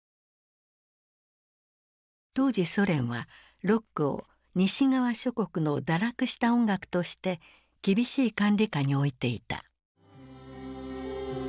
当時ソ連はロックを西側諸国の堕落した音楽として厳しい管理下に置いていた。